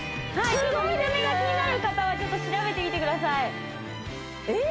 見た目が気になる方はちょっと調べてみてくださいえ！？